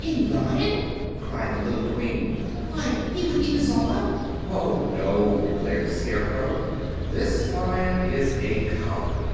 "A Lion!" cried the little Queen. "Why, he would eat us all up." "Oh, no," declared the Scarecrow; "this Lion is a coward."